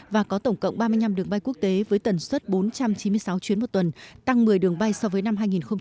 và có tổng cộng ba mươi năm đường bay quốc tế với tần suất bốn trăm chín mươi sáu chuyến một tuần tăng một mươi đường bay so với năm hai nghìn một mươi tám